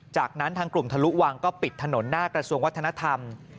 จากนั้นทางกลุ่มทะลุวังก็ปิดถนนหน้ากระทรวงวัฒนธรรม